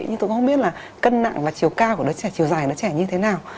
nhưng tôi cũng không biết là cân nặng và chiều cao của đứa trẻ chiều dài nó trẻ như thế nào